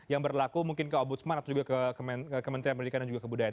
yang berlaku mungkin ke ombudsman atau juga ke kementerian pendidikan dan juga kebudayaan